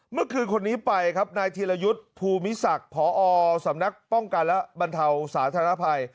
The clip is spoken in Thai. เมื่อคืนคนนี้ไปครับนายธีรยุทธ์ภูมิศักดิ์พอสำนักป้องกันและบรรเทาสาธารณภัย